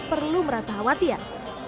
perlu merasa khawatir